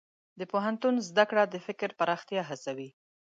د پوهنتون زده کړه د فکر پراختیا هڅوي.